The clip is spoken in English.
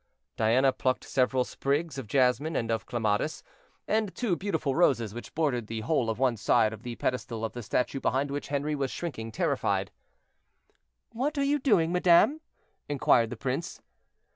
Diana plucked several sprigs of jasmine and of clematis, and two beautiful roses which bordered the whole of one side of the pedestal of the statue behind which Henri was shrinking terrified. "What are you doing, madame?" inquired the prince.